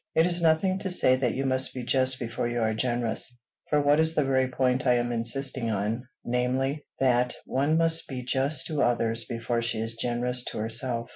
It is nothing to say that you must be just before you are generous, for that is the very point I am insisting on; namely, that one must be just to others before she is generous to herself.